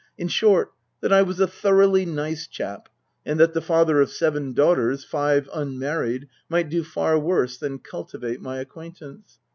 In short, that I was a thoroughly nice chap, and that the father of seven daughters (five unmarried) might do far worse than cultivate my acquaintance.